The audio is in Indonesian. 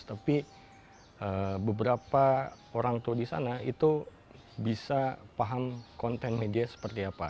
tapi beberapa orang tua di sana itu bisa paham konten media seperti apa